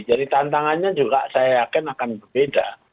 jadi tantangannya juga saya yakin akan berbeda